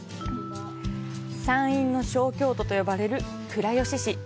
山陰の小京都と呼ばれる倉吉市。